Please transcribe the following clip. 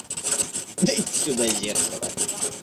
Дайте сюда зеркало.